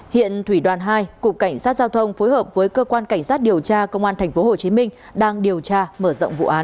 hiện thủy đoàn hai cục cảnh sát giao thông phối hợp với cơ quan cảnh sát điều tra công an tp hcm đang điều tra mở rộng vụ án